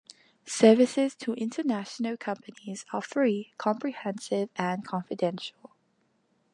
Services to international companies are free, comprehensive and confidential.